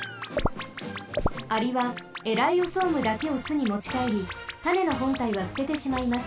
アリはエライオソームだけをすにもちかえりたねのほんたいはすててしまいます。